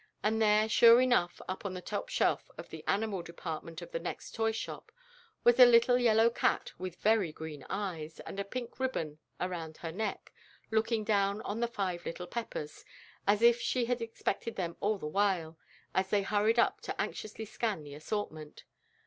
And there, sure enough, up on the top shelf of the animal department of the next toy shop, was a little yellow cat with very green eyes, and a pink ribbon around her neck, looking down on the "Five Little Peppers" as if she had expected them all the while, as they hurried up to anxiously scan the assortment.